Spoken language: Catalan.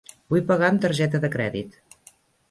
Vull pagar amb targeta de crèdit.